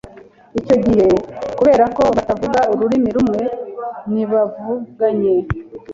icyo gihe kubera ko batavuga ururimi rumwe ntibavuganye